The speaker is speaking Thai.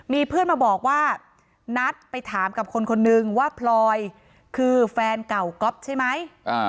มีเพื่อนมาบอกว่านัดไปถามกับคนคนนึงว่าพลอยคือแฟนเก่าก๊อฟใช่ไหม